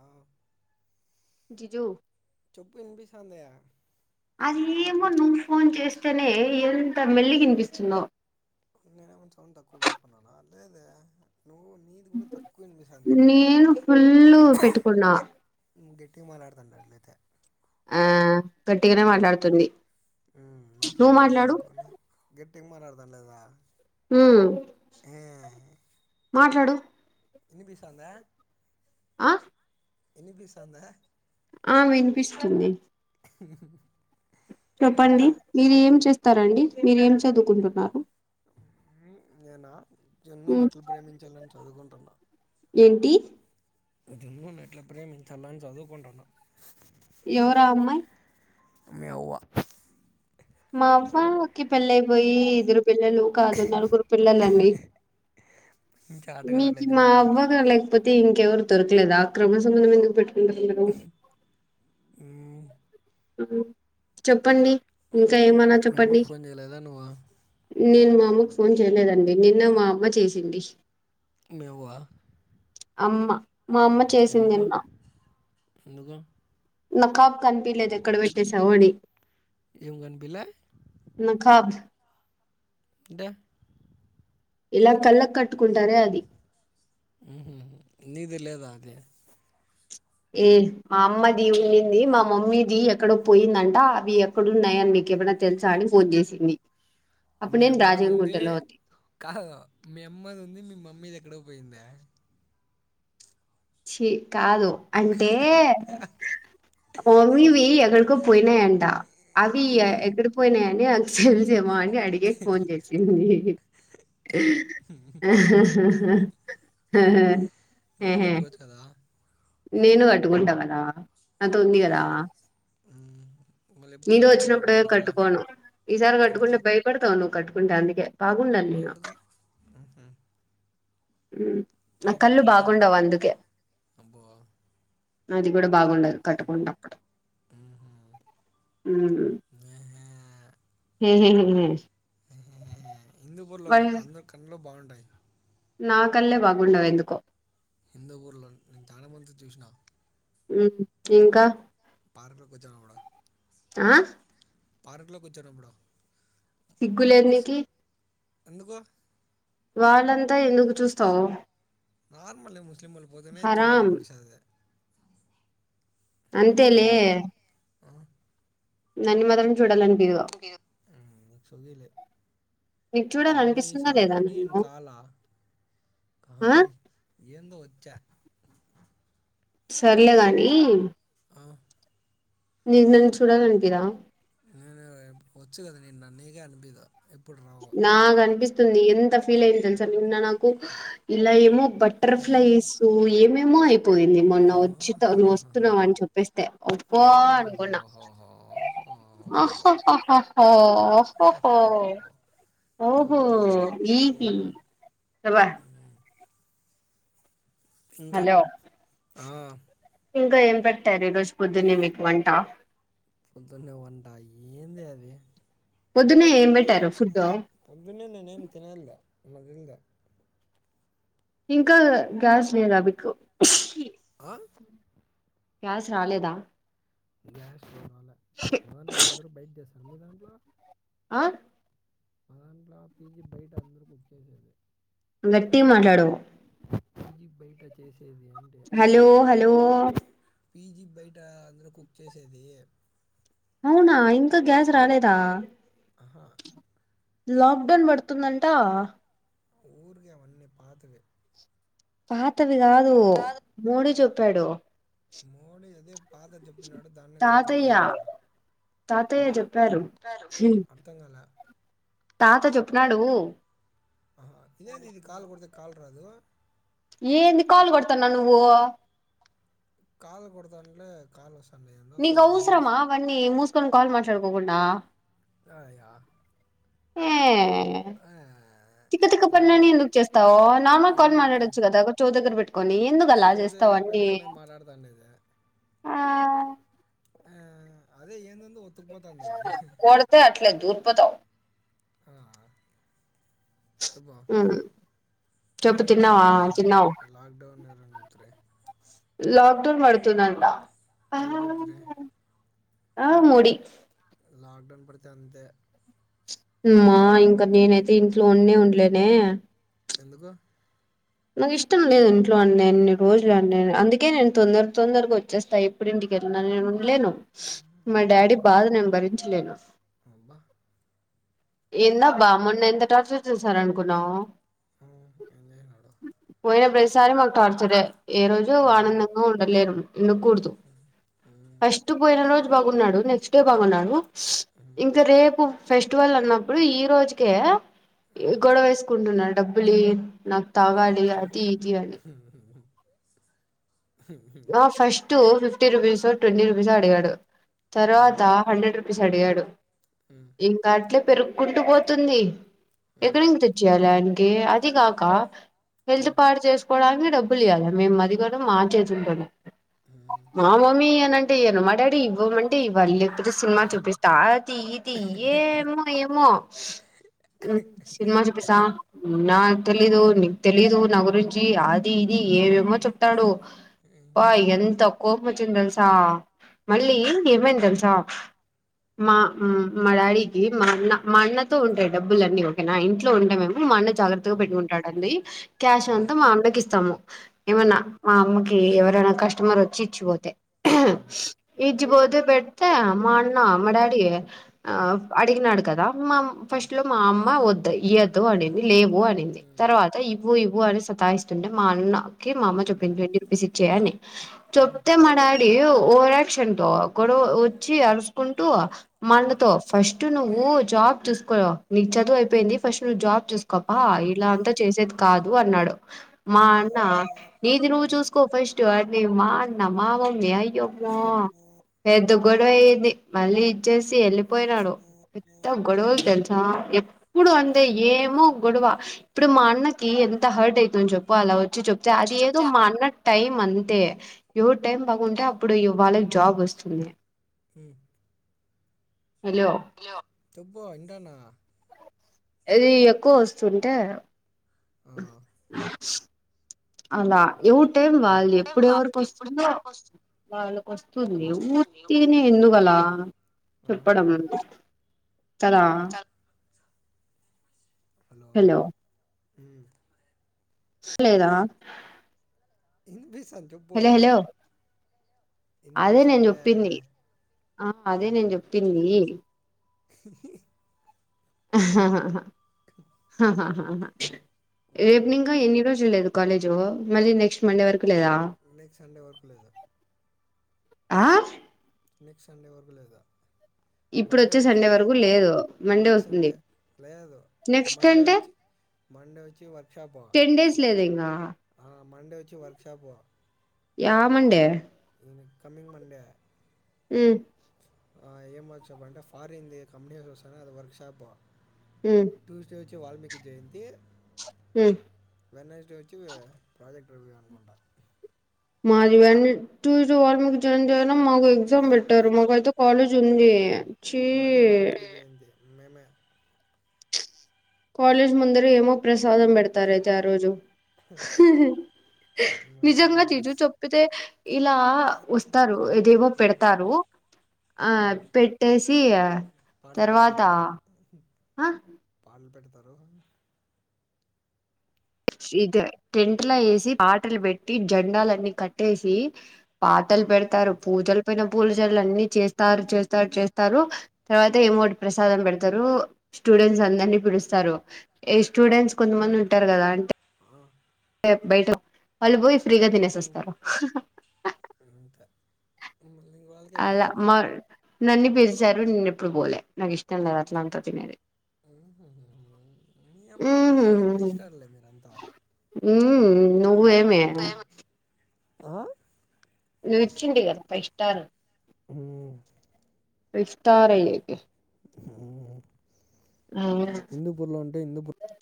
ఆ జీజు చొప్పు ఇంపి సంతయా అదేమో నువ్వు ఫోన్ చేస్తేనే ఎంత మెళ్లి వినిపిస్తుందో నేనేమంచని తక్కువ పెట్టుకున్నానా లేదే నువ్వు నీది కూడా తక్కువ వినిపిస్తుంది నేను ఫుల్లు పెట్టుకున్నా గెట్టిగా మాట్లాడుతుండ అట్లయితే ఆ గట్టిగానే హు మాట్లాడుతుంది నోట్ల నువ్వు నోట్లు మాట్లాడు కొనుకునే గట్ ఆంటీ మాట్లాడుతాన్ లేదా హ ఏ మాట్లాడు వినిపిస్తుందా ఆ [inaudible] ఆ వినిపిస్తుంది చెప్పండి ఇంకా మీరు ఏం చేస్ స్తారండి మీరేం చదువుకుంటున్నారు నేనా [inaudible] ఉమ్ ఏంటి జన్న ఎట్లా ప్రేమించాల అని చదువుకుంటున్నా ఎవరా అమ్మాయి [unintelligible] మాపకి పళ్లయి పోయి ఇద్దరు పిల్లలు కాదు నలుగురు పిల్లలు అం ఇంకా మీకు ఆటగాడట్లయితే మా మీ తాత అవ్వగా లేకపోతే ఇంకా ఎవరుొరుకలేదు ఆ క్రమ సంబంధం ఎందు ఈ చెప్పండి ఇకా ఏ మనా మీ అమ్మకు చప్పట్డి ఫోన్ చేయలేదా నువ్వు నేను మా అమ్మకు ఫోన్ చేయలేదండి నిన్న మా అమ్మ చేసింది మ అమా ఎందుకు ఎందుకు నకాబ్ కనిపిపీలేద అక్కడ పెట్టేసావని మీఅమ్మని పిలే కాప్ [unintelligible] ఇలా కళ్ళ కట్టుకుంటారే అది నీది లేదా అదే ఏ మా అమ్మది ఉండింది మా మమ్మీది ఎక్కడో పోయిందంట అవి ఎక్కడున్నాయని మీకు ఏమై తెలుసా అని ఫోన్ చేసింది అప్పుడు మీ నేను అమ్మాది ఉంది రాజంగుంటలో కా మీ అమ్మాది ఉంది మీ మమ్మీది ఎక్కడ పోయిందా చీ కాదు అంటే ఓమివి ఎక్కడికో పోయినా ఏంట అవి ఉమ్, ఎగిడిపోయినాయని అ ఫల్జ మ అడిగేకి ఫోన్ చేసింది ఆహ నువ్వు కట్టుకోవచ్చు కదా నేను కట్టుకుంటా కదా నాతోంది కదా ఉమ్, ఉమ్, మళ్ళీ ఎప్పుడు నా నీతో దగ్గరకు వచ్చినప్పుడు వచ్చినప్పుడే కట్టుకోవాలా కట్టుకోను ఈసారి ఎందుకు కట్టుకుంటే భయపడతావు నువ్వు కట్టుకో కుంటే అందికే బాగుండలి నీను ఎందుకు ఉహు, నా ఇది కళ్ళు వద్దా బాగుండవు అందుకే అబ్బో అది కూడా బాగుండదు కట్టుకుంనప్పుడు ఉహు, ఉమ్ ఏహే, [unintelligible] హిందూపుర్లో అందరి కన్లూ బాన్ టాయి నా కల్లే బాగుండవు ఎందుకో హిందూ ఊర్లో నేను చానా మంది నీ చూసినా ఉ ఇంకా పార్క్లోకి వచ్చేటప్పుడు ఆ పార్ట్లో కూర్చోనుప్పుడు సిగ్గులేదు నీకి ఎందుకు వాళ్ళంతా ఎందుకు చూస్తావు నార్మల్ ముస్లిలీములు పోతునే చుడల్ హరాం అనిపిస్తాది అంతే లే నన్నీ మాత్రం చూడాలనిపిదు ఉ సోగిలి నీకు కావ్య ఇస్ చూడాలనిపిస్తుందా లేదా ఆల్రెడీ నన్ను ఇన్ కాలా ఆ ఏందో వచ్చా సర్లే గాని ఆ, నీకు నన్ను చూడాలనిపిదా నేను వచ్చు కదా నేను నీకే అనిపిదు ఏప్పుడు నాకు అనిపిస్తుంది ఎంత ఫీల్ అయినో తెలుసా నిన్న నాక్ కు ఇలా ఏమో బటర్ ఫ్లైసు ఏమే మోయి పోయింది మొన్న వచ్చితో నువ్వు వస్తున్నావు ఓహోహోహోహో. అని చెప్పేస్తే ఒప్ప అనుకున్నా ఓహోహోహోహోహోహోహో. ఓహోహోహో. ఓహో ఆహాహా. ఈగి ఉమ్, అబ ఇంకా హలో ఆ ఇంకా ఏం పెట్టారు ఈ రోజు పొద్దున్న మీకు వంట పొద్దున్నే వంట ఏంది అది పొద్దునే ఏం పెట్టారు ఫుడ్డు మహీంద్ర ఇంకా గ్యాస్ లేద మీకు ఆ క్యాష్ రాలేదా ర్యా మల అందరు బయట దస ఆ మా దాంట్లో పీజీ బయట అందరూ కుక్ చేసేది గట్టి మాట్లాడవు బయట చేసి హలో హలో పిజి బయట అంద్ర కు చేసేది అవునా ఇంకా గ్యాస్ రాలేదా హా లాక్డౌన్ పడుతుందంటా ఊరిక అవన్నీ పాతే పాత అదిగాదు మోడీ పెడు మోడీ అదే పాత చెప్పినాడో దాన్ని కొత్తగా తాతయ్య చేసినారా తాతయ్య చెప్పారు హ్మ్, అర్థం కాల తాత చెప్నాడు ఆ ఇడిఇది కాల్ కొడత కాాల రాదు ఏంది కాల్ కొడతాన్నా నువ్వు కాలు కొడతాంటే కాలు వస్తా నకౌసరమా అవన్నీ మూస్కొని కాల్ మాట్లాడుకోకుండా అ ఆ తిక్క తిక్క పనులన్నీ లాక్డౌన్ ఎందుకు చేస్తావు నార్మల్ కాల్ మాట్లాడొచ్చు కదా ఒక చోట దగ్గర పెట్టుకొని కొని చౌదగ్గరే పెట్టుకొని మాట్లాడుతా ఉండేది ఆ ఆ అదే ఎందెందో త పోత అందాజ కొడితే అట్లే దూరిపోతావు చెప్పు ఎవరు చెప్పు చెప్తారు తిన్నావా లాక్డౌన్ అనే తిన్నావు లాక్డౌన్ ఎవరని చెప్తిరి వర్షం పడుతుందంట, ఆ ఎవరు చేపిరే ఆ మూడి లాక్ డౌన్ పడితే అంతే ఉమ్మ ఇంకా నేనైతే ఇంట్లో ఉన్న ఉండలేనే ఎందుకు నాకు ఇష్టం లేదు ఇంట్లో అన్ని అన్ని రోజులు అ అందుకే నేను తొందర తొందరగా వచ్చేస్తా ఇప్పుడు ఇంటికి నేను ఉండలేను మా డాడీ బాధ నేను భరించలేను అబ్బా ఎంతా అబ్బా మొన్న ఎంత టార్చర్ చేశారు అనుకున్నాం, హ ఏం చేసినాడు పోయినా ప్రతిసారి మాకు టార్చర్ ఈరోజు ఉమ్, ఆనందంగా ఉండలేను ఉండకూడదు ఉమ్, ఫస్ట్ పోయిన రోజు, బాగున్నాడు నెక్స్ట్ డే బాగున్నాడు ఉమ్, ఇంక రేపు ఫెస్టివల్ ఆ ఇప్పుడు ఈ రోజుకే గొడవ కొంటున్నాడు డబ్బులుయినాకు తాగాలి, ఆ um, two fifty rupees twenty rupees అడిగాడు ఉమ్, తర్వాత హండ్రెడ్ రూ అడిగాడు ఉమ్, ఉమ్, ఇంకా అట్లే పెరుక్కుంటూ పోతుంది ఇక్కడ ఉమ్, నుంచి తెచ్చయాల అయా అదికాక హెల్త్ ఉమ్, పాడు చే పోవడానికి డబ్బులు ఇవ్వాలా మేం అది కూడా మా చేతు చేతులతోనే ఉమ్, ఉమ్, మా మమ్మీ ఇయను ఈయన అంటే ఇయ్యను ఇవ్వమంటే ఇవ్వాలి కాపోతే సినిమా చూపిస్తా తీ తీయ్యే ఏమో ఏమో సినిమా చూపిస్తాన్నా తెలీదు నీకు తెలీదు నా గురించి అది ఇది ఏవేమో చెప్తాడు ఉమ్, బా ఎంత కోపమొచ్చింది తెలుసా మళ్ళీ ఏమైంది మా మా డాడీకి మా అన్న మా అన్నతో ఉంటయి డబ్బులన్నీ ఓకేనా ఇంట్లో ఉంటావేము మా అన్న జాగ్రత్తగా ఉమ్, పెట్టుకుంటాదండి క్యాష్ అంతా ఉమ్, మా అన్నకిస్తాము. ఏమన్నా మా అమ్మ ఎవరైనా కస్టమర్ వచ్చి ఇచ్చిపోతే ఉమ్, ఇ పోతే పెడ్తే మా అన్నా మ డాడీయే ఆ ఉమ్, అడికి నడు కదా ఉమ్. ఫస్ట్లో మా అమ్మా ఇయదు అనింది లే లేవు. అనింది తర్వాత ఇ ఇవ్వు ఇవ్వు అని సతాఇస్తుంటే మా అన్న కి మా అమ్మ చెప్పింది ఇచ్చేయి అని చొప్తే మా డాడీ ఓవరాక్షన్తో గొడ వచ్చి అరుసుకుంటూ మా అన్నతో ఫస్ట్ నువ్వు జాబ్ చూస్కో నీక్ చదువు అయిపోయింది. ఫస్ట్ నువ్వు జాబ్ చూస్ గపా ఇలా అంతా చేసేది కాదు అన్నాడు మా అన్న నీది నువ్వు చూస్ మా అన్న మా మమ్మీ [inaudible] గొడవ అయంది మళ్ళీ ఇచ్చేసి వెల్ పోయినాడు పెద్ద గొడవలు తెల్సా ఎప్పుడు అంతే ఏమో గొడవ ఇప్పుడు మా అన్నకి ఎంత హర్ట్ అయితుంది చెప్పు అలా వచ్ చెప్తే వచ్చి అది ఏదో చెప్తే మా అన్నక్ టైం అంతే ఎవర్ టైం బాగుంటే అప్పుడు ఇవ్వలే జాబ్ వస్తుంది. హ్ హలో చెప్పు ఇంటాన్న ఇది ఎక్కో వస్తుంటే ఆ, అవులాా ఎవ టైం ఉమ్, వాళ్ళు ఏం ఎప్పుడెవరిక వాళ్ళు ఎప్పుడు వస్తుందో వస్తుంది వాళ్ళకి వస్తుంది ఊర్తినే ఎందుకల ఆ. చెప్పడం తదా హలో ఉమ్, సలేదా ఇ [inaudible] అదే నేను చెప్పింది ఆ అదే నేను ఏంది చెప్పింది అహాహా హాహాా ఆహా కుక్క రేపు ఇంకా ఎన్ని రోజులు లేదు కాలేజు మళ్ నెక్స్ట్ మండే వరకు లేదా నెక్స్ట్ సండే వరకు లేదు ఆ నెక్స్ట్ సండే వరకు లేదా ఇప్పుడు మండే వచ్చే వచ్చి సండే వరకు లేదు మండే నెక్స్ట్ వస్తుంది సండే లేదు నెక్స్ట్ మండే అంటే వచ్చి మండే వచ్చి వర్క్ షాప్ పో టెన్ డేస్ లేదు ఇంగా మండే వచ్చి వర్క్‌షాప్ యా మండే అ కమింగ్ మండే ఆ ఏం వర్క్‌షాప్ అంట ఫారీన్యా కంపెనీ అది workshop um Tuesday Valmiki జయంతి హ వె నస్డే వచ్చి ప్రాజెక్ట్ రివ్యూ అనుకుంటాను మాదియాడ్ టూ వా మీకు జాయిన్ చేయాలి మాకు ఎగ్జామ్ పెట్టారు మాకు అతే కాలేజ్ జ [unintelligible] మాదే వాల్మీకింది మే కాలేజ్ ముందర ఏమో ప్రసాదం పెడతారయితే ఆ రోజు మేమే నిజంగా వాల్మీకి తిజ స్- చెప్పితే ఇలా వస్తారు ఏదేవో పెడతారు ఆ ఉమ్, పెట్టేసి ఆ పాటలు తర్వాత పెడతారు ఆ దర్ం ఇది టెంట్లా వేసి పాటలు పెట్టి జండాలన్ని కట్టేసి పా పెడతారు అంతే పూజలు పైన పూలు న్ని చేస్తారు చేస్తారు చేస్తారు తర్వాత ఏమోటి ప్రసాదం పెడతారు స్టూడెంట్స్ అందరిని పిలుస్తారు ఏ స్టూడెంట్స్ కొంతమంది ఉంటారు కదా అంటే ఆ, బయట వాళ పోయి స్గా తినేసి ఉమ్, వస్తారు అంతే మళ్ళీ ఇంక వాళ్ళకే అలా పెట్టేది మ నన్నీ పిలిచారు నేనుప్పుడు పోలే నాకు ఇష్టం లేదు అట్లా అంతా తినేది మీ అమ్మ మీ పై స్టార్లే మీర అంతా నువ్వు ఏమే ఆ విచింట కప్ప ఇష్టారు అ విఫస్తారలేకి ఉమ్. అవు ఇందు